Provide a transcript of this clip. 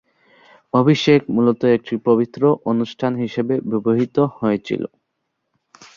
অভিষেক মূলত একটি পবিত্র অনুষ্ঠান হিসাবে ব্যবহৃত হয়েছিল।